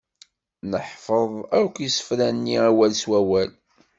Neḥfeḍ akk isefra-nni awal s wawal.